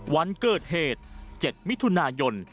วันเกิดเหตุ๗มิถุนายน